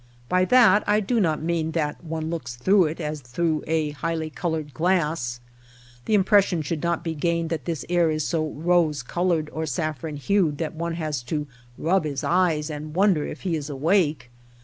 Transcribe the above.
By that I do not mean that one looks through it as through a highly colored glass. The impression should not be gained that this air is so rose colored or saffron hued that one has to rub his eyes and wonder if he is awake.